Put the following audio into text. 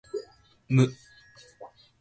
無人島の住民に会ってしまった